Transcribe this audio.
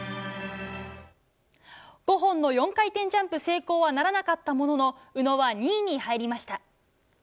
５本の４回転ジャンプ成功はならなかったものの宇野は２位に入りました。